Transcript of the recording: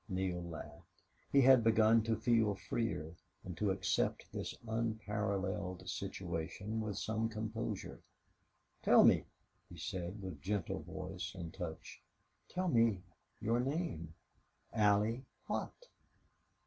Neale laughed. He had begun to feel freer, and to accept this unparalleled situation with some composure. "Tell me," he said, with gentle voice and touch "tell me your name. Allie what?"